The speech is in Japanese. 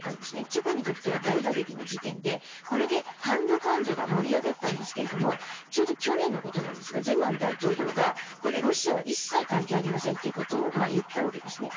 チェコにとっては大打撃の事件でこれで反ロ感情が盛り上がったんですがちょうど去年のことなんですがゼマン大統領がロシアは一切関係ありませんと言ったわけですね。